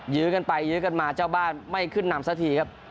ยื้อกันไปยื้อกันมาเจ้าบ้านไม่ขึ้นนำสักทีครับ